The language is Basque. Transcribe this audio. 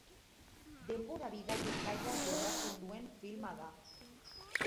Denbora bidaien gaia jorratzen duen filma da.